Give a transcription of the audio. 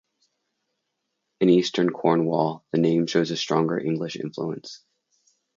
In eastern Cornwall, the names show a stronger English influence.